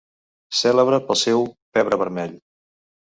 Cèlebre pel seu pebre vermell.